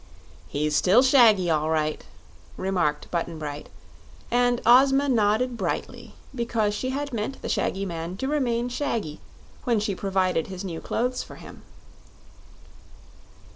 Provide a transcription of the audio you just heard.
"He's still shaggy, all right," remarked Button Bright; and Ozma nodded brightly because she had meant the shaggy man to remain shaggy when she provided his new clothes for him.